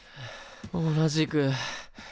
同じく。